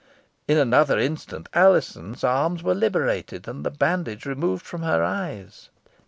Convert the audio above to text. In another instant, Alizon's arms were liberated, and the bandage removed from her eyes.